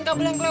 kamu yang rumit